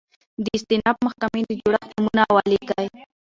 د استیناف محکمي د جوړښت نومونه ولیکئ؟